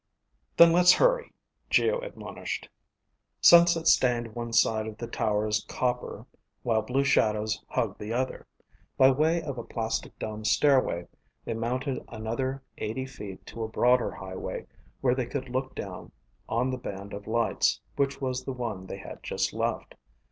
"Then let's hurry," Geo admonished. Sunset stained one side of the towers copper while blue shadows hugged the other. By way of a plastic domed stairway, they mounted another eighty feet to a broader highway where they could look down on the band of lights which was the one they had just left.